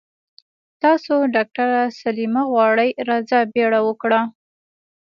تاسو ډاکټره سليمه غواړي راځه بيړه وکړه.